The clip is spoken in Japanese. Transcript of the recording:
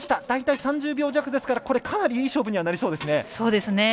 大体３０秒弱ですからかなりいい勝負になりそうです。